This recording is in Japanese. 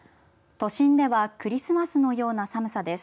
都心ではクリスマスのような寒さです。